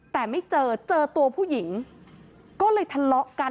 แต่ไม่เจอเจอตัวผู้หญิงก็เลยทะเลาะกัน